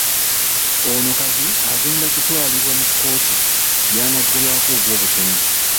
Ono kati agenda ku twalibwa mu kkooti gy'anaggulwako ogw'obutemu.